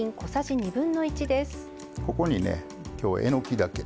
ここにね今日えのきだけ。